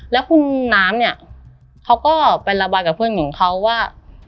แล้วคุณน้ำเนี่ยเขาก็ไประบายกับเพื่อนของเขาว่า